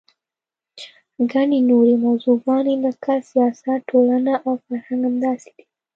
ګڼې نورې موضوعګانې لکه سیاست، ټولنه او فرهنګ همداسې دي.